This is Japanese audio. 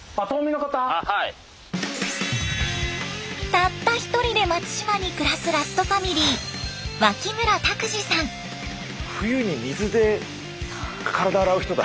たった一人で松島に暮らすラストファミリー冬に水で体洗う人だ。